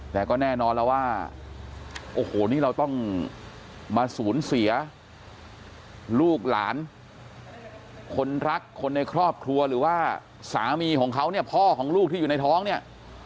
แต่ก็แน่นอนแล้วว่าโอ้โหนี่เราต้องมาสูญเสียลูกหลานคนรักคนในครอบครัวหรือว่าสามีของเขาเนี่ยพ่อของลูกที่อยู่ในท้องเนี่ย